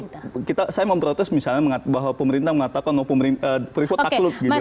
takut saya memprotes misalnya bahwa pemerintah mengatakan bahwa freeport takut gitu kan